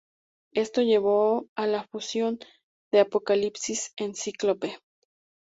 Esto llevó a la fusión de Apocalipsis con Cíclope.